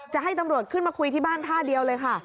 จะให้ตำรวจขึ้นมาคุยที่บ้านท่าเดียวเลยค่ะ